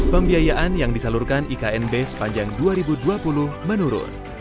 pembiayaan yang disalurkan iknb sepanjang dua ribu dua puluh menurun